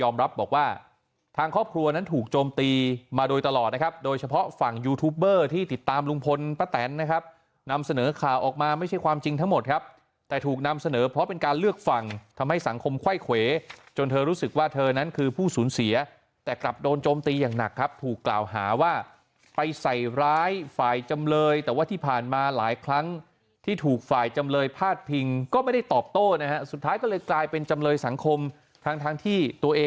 ไม่ใช่ความจริงทั้งหมดครับแต่ถูกนำเสนอเพราะเป็นการเลือกฝั่งทำให้สังคมค่อยเขวจนเธอรู้สึกว่าเธอนั้นคือผู้สูญเสียแต่กลับโดนโจมตีอย่างหนักครับถูกกล่าวหาว่าไปใส่ร้ายฝ่ายจำเลยแต่ว่าที่ผ่านมาหลายครั้งที่ถูกฝ่ายจำเลยพาดพิงก็ไม่ได้ตอบโต้นะครับสุดท้ายก็เลยกลายเป็นจำเลยสังคมทางทางที่ตัวเ